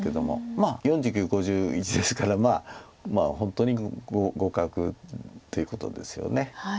まあ４９５１ですから本当に互角っていうことですよね。